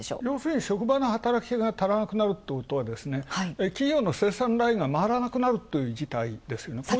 要するに職場の働き手が足らなくなるってことは企業の生産ラインが回らなくなるという事態ですよね。